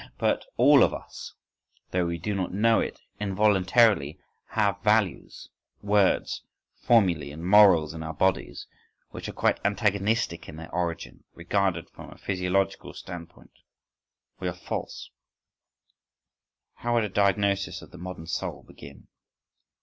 … But all of us, though we do not know it, involuntarily have values, words, formulæ, and morals in our bodies, which are quite antagonistic in their origin—regarded from a physiological standpoint, we are false.… How would a diagnosis of the modern soul begin?